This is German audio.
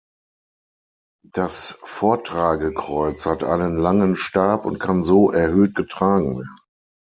Das Vortragekreuz hat einen langen Stab und kann so erhöht getragen werden.